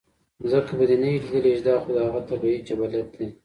ځکه به دې نۀ وي ليدلے چې دا خو د هغه طبعي جبلت دے